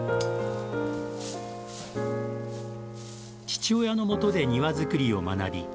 父親のもとで庭づくりを学び